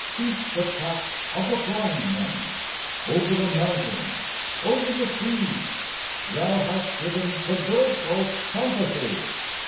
Keep the paths of the flying men ! Over the mountains, over the seas Thou hast given the bird folk compasses.